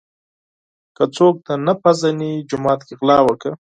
ـ که څوک دې نه پیژني جومات کې غلا وکړه.